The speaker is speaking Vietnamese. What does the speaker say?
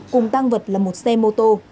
cùng tang vật là một xe mô tô